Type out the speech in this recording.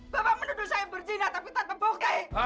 bapak menuduh saya berjinah tapi tak terbuka